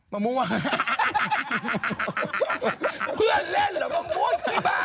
เพื่อนเล่นเหรอมะม่วง